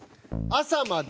「朝まで」